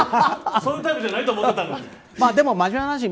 そういうタイプじゃないと思ってたのに。